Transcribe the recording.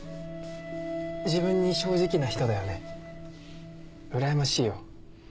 自分に正直な人だよねうらやましいよ。